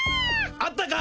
あったか？